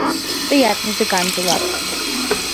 Тыят музыкант улат.